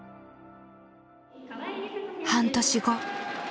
半年後。